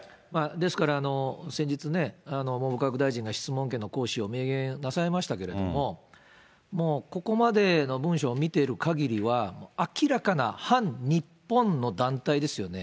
ですから、先日ね、文部科学大臣が質問権の行使を明言なさいましたけれども、ここまでの文章を見てるかぎりは、明らかな反日本の団体ですよね。